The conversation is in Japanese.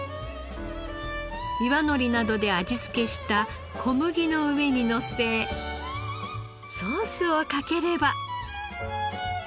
岩のりなどで味付けした小麦の上にのせソースをかければ。